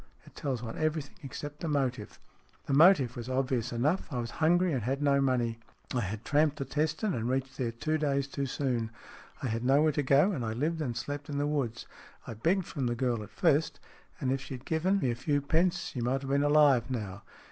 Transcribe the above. It tells one everything, except the motive." " The motive was obvious enough. I was hungry and had no money. I had tramped to Teston and reached there two days too soon. I had nowhere to go, and I lived and slept in the woods. I begged from the girl at first, and if she had given SMEATH 31 me a few pence she might have been alive now.